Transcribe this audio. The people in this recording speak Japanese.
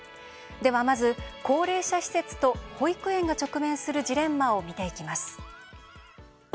まず、高齢者施設と保育園が直面するジレンマを見ていきます。